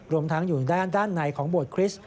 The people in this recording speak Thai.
รวมทั้งอยู่ด้านในของบวชคริสต์